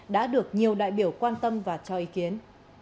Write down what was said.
đã được nhiều đại biểu quan tâm và cho ý kiến